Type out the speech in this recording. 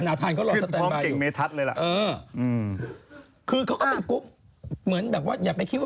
นาทานเขารอสแตนไบล์อยู่